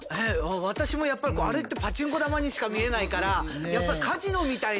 私もやっぱりあれってパチンコ玉にしか見えないからあ！